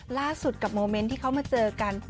ล่าสุดกับโมเมนต์ที่เขามาเจอกัน